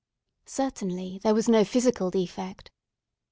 Certainly there was no physical defect.